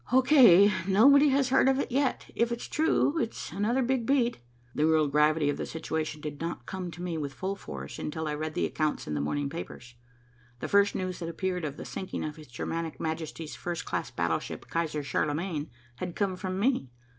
"O. K. Nobody has heard of it yet. If it is true, it is another big beat." The real gravity of the situation did not come to me with full force, until I read the accounts in the morning papers. The first news that appeared of the sinking of His Germanic Majesty's first class battleship, Kaiser Charlemagne, had come from me.